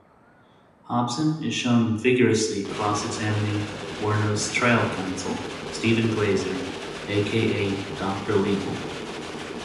Hobson is shown vigorously cross-examining Wuornos' trial counsel, Steven Glazer, aka "Doctor Legal".